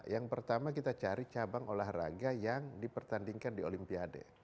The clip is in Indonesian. yang pertama kita cari cabang olahraga yang dipertandingkan di olimpiade